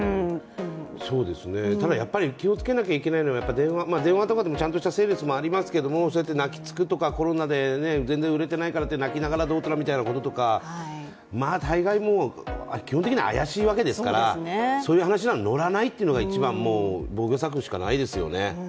ただやっぱり気をつけないといけないのは電話とかでもちゃんとしたセールスとかもありますけど泣きつくとか、コロナで全然売れてないから泣きながらどうたらみたいなこととか大概、基本的には怪しいわけですからそういう話にはのらないというのが一番防御策しかないですよね。